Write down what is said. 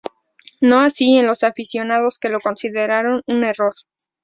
No así en los aficionados, que lo consideraron un error.